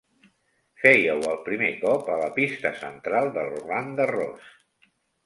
Fèieu el primer cop a la pista central de Roland Garros.